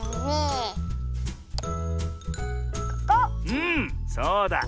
うんそうだ。